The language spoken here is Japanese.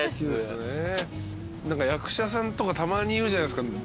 何か役者さんとかたまに言うじゃないですか。